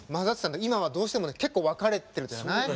今はどうしてもね結構分かれてるじゃない。